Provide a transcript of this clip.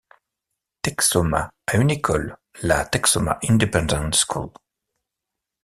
Texhoma a une école, la Texhoma Independent School.